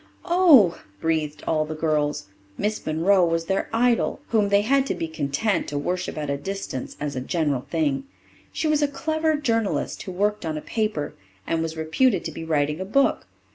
"Oh!" breathed all the girls. Miss Monroe was their idol, whom they had to be content to worship at a distance as a general thing. She was a clever journalist, who worked on a paper, and was reputed to be writing a book.